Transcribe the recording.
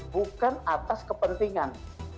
bukan atas kepentingan